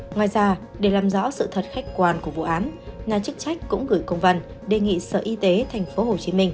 ngoài ra để làm rõ sự thật khách quan của vụ án nhà chức trách cũng gửi công văn đề nghị sở y tế tp hcm